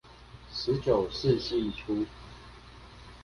十九世紀初